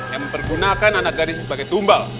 yang mempergunakan anak dari saya sebagai tumbal